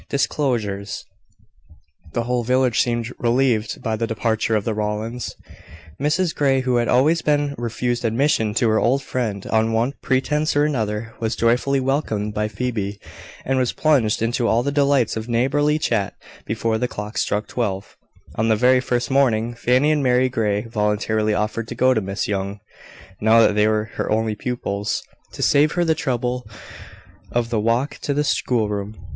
DISCLOSURES. The whole village seemed relieved by the departure of the Rowlands. Mrs Grey, who had always been refused admission to her old friend on one pretence or another, was joyfully welcomed by Phoebe, and was plunged into all the delights of neighbourly chat before the clock struck twelve, on the very first morning, Fanny and Mary Grey voluntarily offered to go to Miss Young, now that they were her only pupils, to save her the trouble of the walk to the schoolroom.